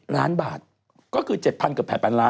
๗๖๒๑ล้านบาทก็คือ๗๐๐๐เกือบแผ่นปันล้าน